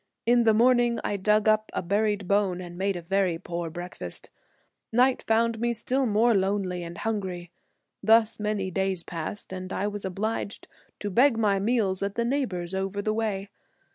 In the morning I dug up a buried bone and made a very poor breakfast. Night found me still more lonely and hungry. Thus many days passed, and I was obliged to beg my meals at the neighbor's over the way.